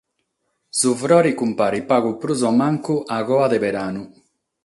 Su frore cumparit pagu prus o mancu a coa de beranu.